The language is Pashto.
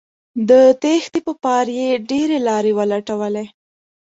د تېښتې په پار یې ډیرې لارې ولټولې